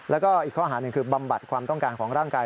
แล้วก็อีกข้อหาหนึ่งคือบำบัดความต้องการของร่างกาย